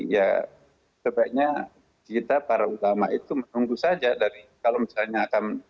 ya sebaiknya kita para ulama itu menunggu saja dari kalau misalnya akan